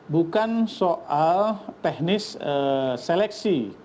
bukan soal teknis seleksi